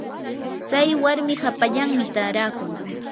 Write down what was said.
tsay warmi hapallanmi taarakun.